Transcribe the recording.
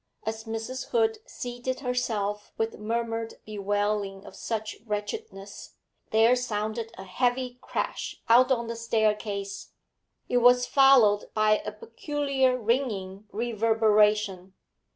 As Mrs. Hood seated herself with murmured bewailing of such wretchedness, there sounded a heavy crash out on the staircase; it was followed by a peculiar ringing reverberation.